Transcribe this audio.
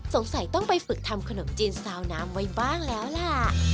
สงสัยต้องไปฝึกทำขนมจีนซาวน้ำไว้บ้างแล้วล่ะ